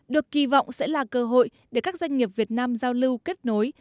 được kỳ vọng sẽ là cơ hội để các doanh nghiệp việt nam giao lưu kết nối